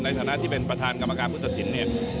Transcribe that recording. ในฐานะที่เป็นประธานกรรมการผู้ตัดสินเนี่ย